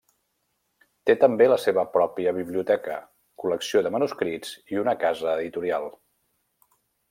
Té també la seva pròpia biblioteca, col·lecció de manuscrits, i una casa editorial.